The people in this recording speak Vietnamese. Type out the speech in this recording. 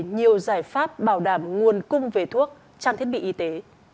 nhiều giải pháp bảo đảm nguồn cung về thuốc trang thiết bị y tế